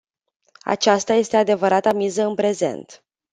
Aceasta este adevărata miză în prezent.